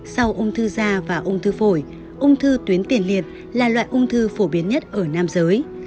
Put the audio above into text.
sau ung thư da và ung thư phổi ung thư tuyến tiền liệt là loại ung thư phổ biến nhất ở nam giới